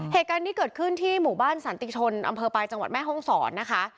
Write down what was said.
เหตุการณ์นี้เกิดขึ้นที่หมู่บ้านสันติชนอำเภอปลายจังหวัดแม่ห้องศรนะคะ